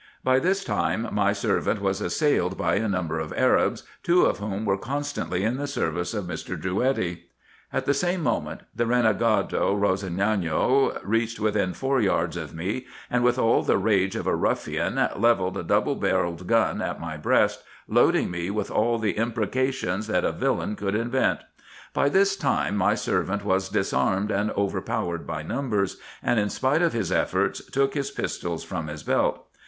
By this time my servant was assailed by a number of Arabs, two of whom were constantly in the service of Mr. Drouetti. At the same moment, the renegado Rossignano reached within four yards of me, and with all the rage of a ruffian, levelled a double barrelled gun at my breast, loading me with all the imprecations that a villain could invent ; by this time my servant was disarmed, and overpowered by numbers, and in spite of his efforts, took his pistols from his belt.